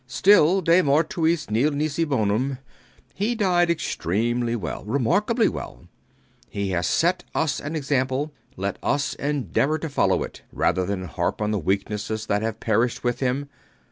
Still, de mortuis nil nisi bonum. He died extremely well, remarkably well. He has set us an example: let us endeavor to follow it rather than harp on the weaknesses that have perished with him.